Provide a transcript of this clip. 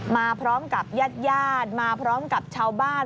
มาพร้อมกับญาติญาติมาพร้อมกับชาวบ้าน